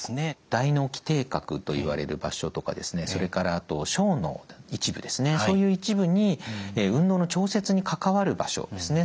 大脳基底核といわれる場所とかそれからあと小脳の一部ですねそういう一部に運動の調節に関わる場所ですね